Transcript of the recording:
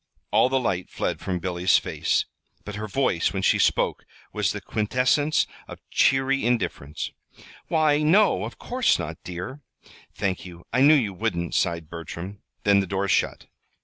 All the light fled from Billy's face, but her voice, when she spoke, was the quintessence of cheery indifference. "Why, no, of course not, dear." "Thank you. I knew you wouldn't," sighed Bertram. Then the door shut.